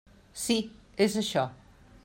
Sí, és això.